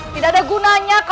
tidak ada gunanya kau berpikir